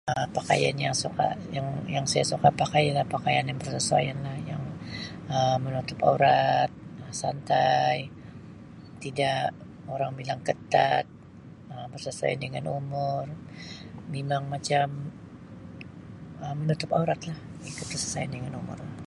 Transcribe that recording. Um Pakaian yang suka yang-yang saya suka pakai ialah bersesuaian Um yang menutup aurat Um, santai, tidak orang bilang ketat, Um bersesuaian dengan umur, memang macam Um menutup aurat lah, ikut kesesuaian dengan umur.